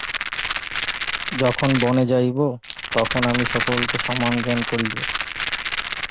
যখন বনে যাইব, তখন আমি সকলকে সমান জ্ঞান করিব।